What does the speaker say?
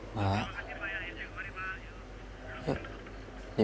maksudnya kita ke gereja